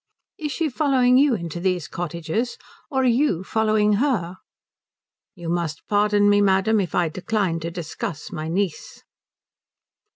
"Is she following you into these cottages, or are you following her?" "You must pardon me, madam, if I decline to discuss my niece."